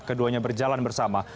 keduanya berjalan bersama